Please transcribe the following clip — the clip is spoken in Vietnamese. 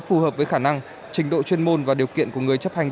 phù hợp với khả năng trình độ chuyên môn và điều kiện của người chấp hành